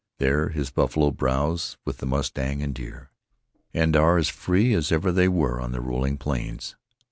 There his buffalo browse with the mustang and deer, and are as free as ever they were on the rolling plains.